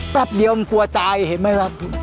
แป๊บเดียวมันกลัวตายเห็นไหมครับ